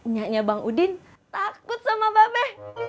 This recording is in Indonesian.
nyanya bang udin takut sama mba be